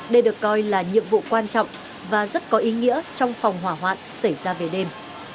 đây được coi là nhiệm vụ quan trọng và rất có ý nghĩa trong phòng hỏa hoạn xảy ra về đêm